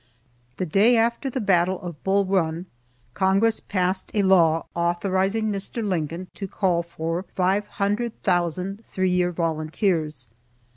The day after the battle of Bull Run Congress passed a law authorizing Mr. Lincoln to call for five hundred thousand three years volunteers.